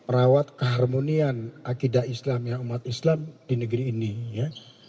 rawat keharmonian akidah islam ya umat islam di negeri ini ya